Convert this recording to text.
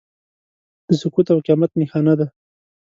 د سقوط او قیامت نښانه ده.